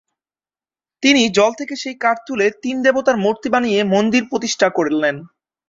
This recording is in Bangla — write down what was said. তিনি জল থেকে সেই কাঠ তুলে তিন দেবতার মূর্তি বানিয়ে মন্দির প্রতিষ্ঠা করলেন।